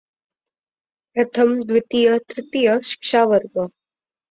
प्रथम, द्वितीय, तृतीय शिक्षा वर्ग.